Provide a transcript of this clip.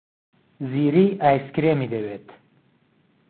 زیری ئایسکرێمی دەوێت.